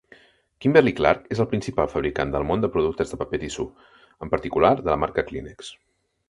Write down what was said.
Kimberly-Clark és el principal fabricant del món de productes de paper tissú, en particular de la marca Kleenex.